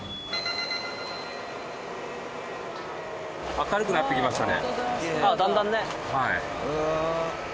明るくなってきましたね。